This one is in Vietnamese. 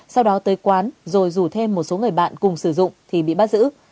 sau đó tới quán rồi rủ thêm một số người bạn cùng sử dụng thì bị bắt giữ